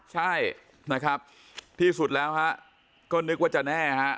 ใช่นะครับที่สุดแล้วฮะก็นึกว่าจะแน่ฮะ